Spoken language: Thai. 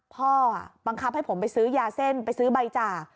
พ่อบังคับให้ผมไปซื้อยาเส้นไปซื้อใบจาก